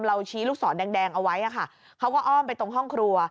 ชี้ลูกศรแดงเอาไว้ค่ะเขาก็อ้อมไปตรงห้องครัว